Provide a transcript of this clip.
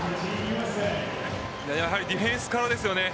ディフェンスからですよね。